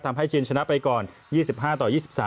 ทำให้จีนชนะไปก่อน๒๕ต่อ๒๓